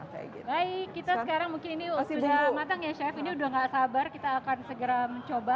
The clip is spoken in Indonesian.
baik kita sekarang mungkin ini sudah matang ya chef ini udah nggak sabar kita akan segera mencoba